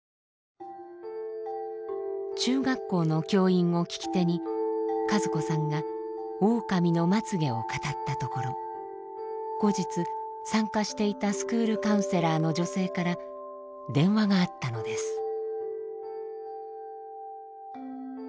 中学校の教員をきき手に和子さんが「オオカミのまつ毛」を語ったところ後日参加していたスクールカウンセラーの女性から電話があったのです。